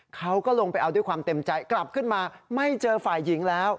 เขาก็ลงไปเอาด้วยความเต็มใจกลับขึ้นมาไม่เจอฝ่ายหญิงแล้ว